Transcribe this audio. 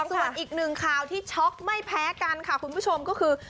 ส่วนอีกหนึ่งข่าวที่ช็อกไม่แพ้กันค่ะคุณผู้ชมก็คือ